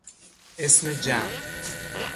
اسم جمع